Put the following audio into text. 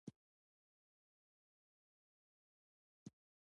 سیندونه د افغانستان د اوږدمهاله پایښت لپاره مهم رول لري.